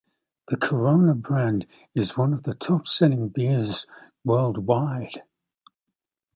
The Corona brand is one of the top-selling beers worldwide.